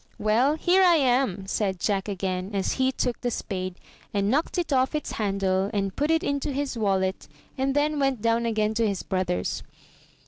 "Well, here I am," said Jack again, as he took the spade and knocked it off its handle, and put it into his wallet, and then went down again to his brothers.